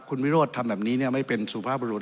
คุณวิโรธทำแบบนี้ไม่เป็นสุภาพบรุษ